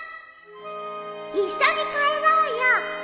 一緒に帰ろうよ